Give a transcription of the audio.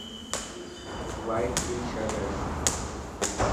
وائٽ ٽي شرٽ هي.